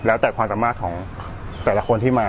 แล้วแต่ความสามารถของแต่ละคนที่มา